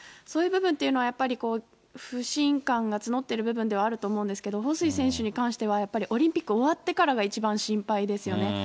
そういう部分というのは、やっぱりこう、不信感が募ってる部分ではあると思うんですけれども、彭帥選手に関しては、やっぱりオリンピック終わってからが一番心配ですよね。